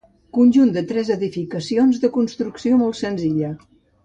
Conjunt de tres edificacions de construcció molt senzilla.